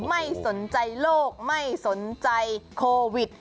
ไม่สนใจโลกไม่สนใจโควิด